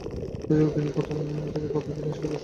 সেই সুযোগ তিনি প্রথম থেকেই পাবেন কি না, সেটা ভবিষ্যৎই বলবে।